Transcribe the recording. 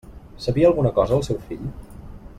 Sabia alguna cosa el seu fill?